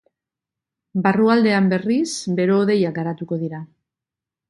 Barrualdean berriz, bero-hodeiak garatuko dira.